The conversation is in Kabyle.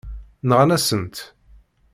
Nɣan-asen-t.